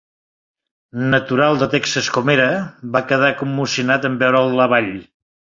Natural de Texas com era, va quedar commocionat en veure la vall.